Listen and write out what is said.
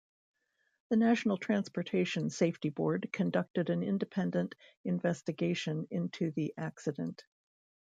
The National Transportation Safety Board conducted an independent investigation into the accident.